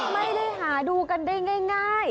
ไม่ได้หาดูกันได้ง่าย